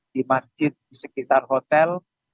di masjid di sekitar hotel